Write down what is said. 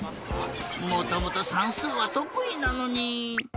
もともとさんすうはとくいなのに。